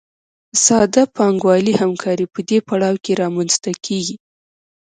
ساده پانګوالي همکاري په دې پړاو کې رامنځته کېږي